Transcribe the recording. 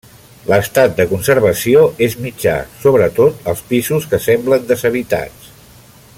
L'estat de conservació és mitjà, sobretot als pisos que semblen deshabitats.